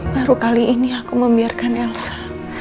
baru kali ini aku membiarkan elsa